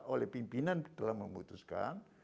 oleh pimpinan telah memutuskan